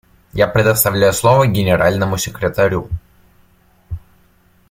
Я предоставляю слово Генеральному секретарю.